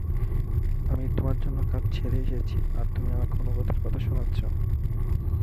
আমি তোমার জন্য কাজ ছেড়ে এসেছি আর তুমি আমাকে অনুগতের কথা শুনাচ্ছো?